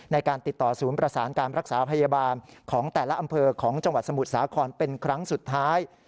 ในการติดต่อศูนย์ประสานการรักษาพยาบาลของแต่ละอำเภอของจังหวัดสมุทรสาครเป็นครั้งสุดท้าย